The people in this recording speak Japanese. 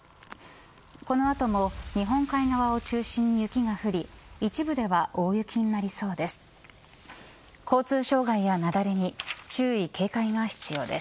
この後も日本海側を中心に雪が降り、一部では大雪になりそうです。